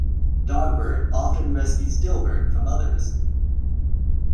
Dogbert often rescues Dilbert from others.